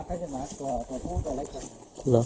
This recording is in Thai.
แค่ย่ายหมาต่อสู้ต่อเลยครับ